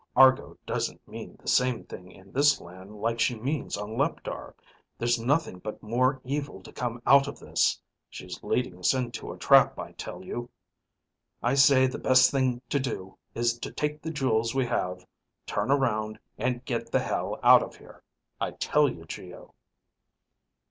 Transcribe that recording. "Argo doesn't mean the same thing in this land like she means on Leptar. There's nothing but more evil to come out of this. She's leading us into a trap, I tell you. I say the best thing to do is take the jewels we have, turn around, and get the hell out of here. I tell you, Geo...."